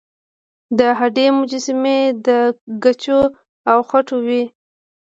د هډې مجسمې د ګچو او خټو وې